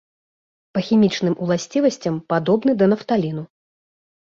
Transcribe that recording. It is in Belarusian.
Па хімічным уласцівасцям падобны да нафталіну.